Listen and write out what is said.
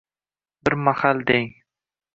Bir mahal deng…